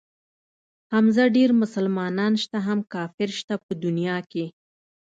حمزه ډېر مسلمانان شته هم کافر شته په دنيا کښې.